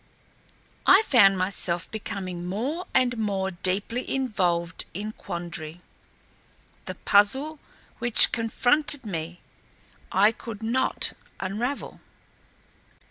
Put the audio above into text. I found myself becoming more and more deeply involved in quandary. The puzzle which confronted me I could not unravel.